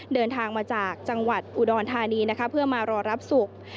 เดินทางมาจากจังหวัดอุดรธานีนะคะเพื่อมารอรับศพ